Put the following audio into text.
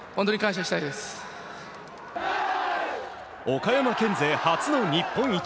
岡山県勢初の日本一。